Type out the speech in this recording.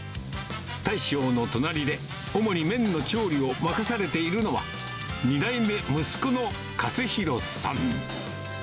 大将の隣で、主に麺の調理を任されているのは、２代目、息子の勝弘さん。